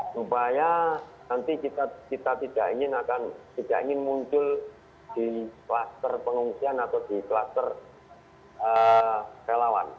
supaya nanti kita tidak ingin muncul di kluster pengungsian atau di kluster relawan